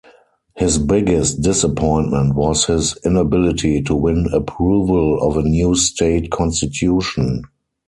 His biggest disappointment was his inability to win approval of a new state constitution.